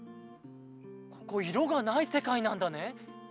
ここいろがないせかいなんだね。